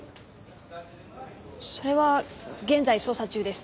それは現在捜査中です。